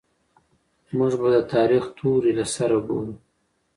موږ به د تاريخ توري له سره ګورو.